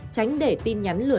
tránh để tin nhắn